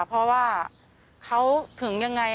เพราะว่าเขาถึงยังไง